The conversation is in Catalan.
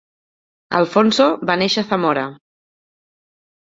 Alfonso va néixer a Zamora.